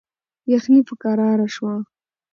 یخني په کراره شوه.